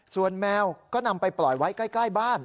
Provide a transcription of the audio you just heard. ส่วนแมวก็นำไปปล่อยไว้ใกล้บ้าน